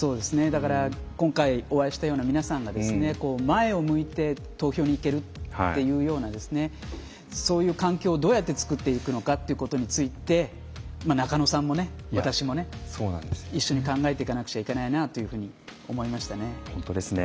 だから今回お会いしたような皆さんが前を向いて投票に行けるというようなそういう環境をどうやって作っていくのかということについて中野さんも私も一緒に考えていかなくちゃいけないなというふうに思いましたね。